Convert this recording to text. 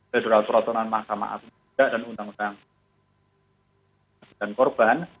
federal perotonan mahkamah apeja dan undang undang saksi dan korban